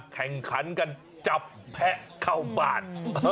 แข่งขันกันจับแพะเข้าบ้าน